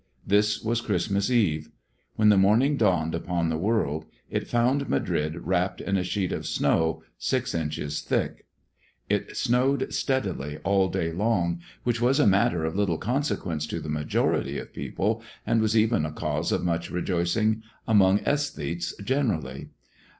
This was Christmas Eve. When the morning dawned upon the world, it found Madrid wrapped in a sheet of snow six inches thick. It snowed steadily all day long, which was a matter of little consequence to the majority of people, and was even a cause of much rejoicing among æsthetes generally.